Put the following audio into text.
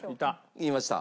言いました。